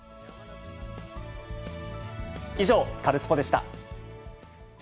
以上、カルスポっ！でした。